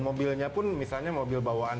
dan mobilnya pun misalnya mobil bawaan